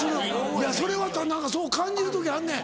いやそれは何かそう感じる時あんねん。